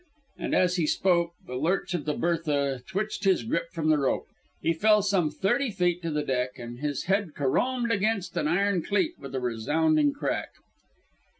And as he spoke the lurch of the Bertha twitched his grip from the rope. He fell some thirty feet to the deck, and his head carromed against an iron cleat with a resounding crack.